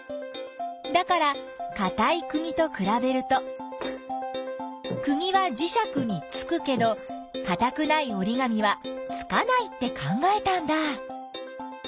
だからかたいくぎとくらべるとくぎはじしゃくにつくけどかたくないおりがみはつかないって考えたんだ。